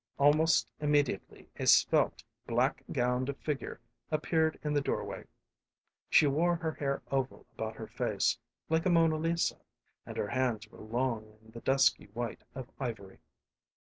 Almost immediately a svelte, black gowned figure appeared in the doorway; she wore her hair oval about her face, like a Mona Lisa, and her hands were long and the dusky white of ivory.